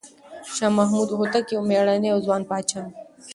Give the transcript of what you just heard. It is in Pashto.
شاه محمود هوتک یو مېړنی او ځوان پاچا و.